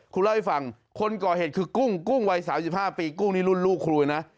เล่าให้ฟังคนก่อเหตุคือกุ้งกุ้งวัย๓๕ปีกุ้งนี่รุ่นลูกครูนะ